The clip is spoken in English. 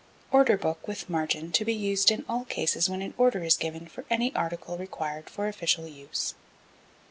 Order Book with margin to be used in all cases when an order is given for any article required for official use.